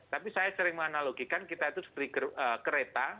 tapi saya sering menganalogikan kita itu striker kereta